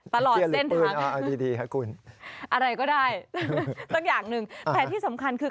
ตลอดเส้นทางอะไรก็ได้ตั้งอย่างหนึ่งแผ่นที่สำคัญคือ